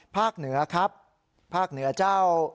เหนือครับภาคเหนือเจ้า